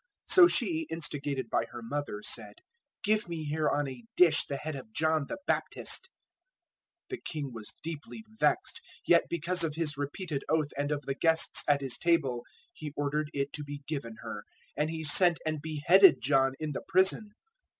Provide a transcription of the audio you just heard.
014:008 So she, instigated by her mother, said, "Give me here on a dish the head of John the Baptist." 014:009 The king was deeply vexed, yet because of his repeated oath and of the guests at his table he ordered it to be given her, 014:010 and he sent and beheaded John in the prison.